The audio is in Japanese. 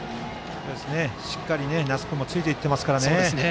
しっかり那須君もついていってますからね。